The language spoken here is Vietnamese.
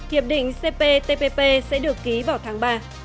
hiệp định cptpp sẽ được ký vào tháng ba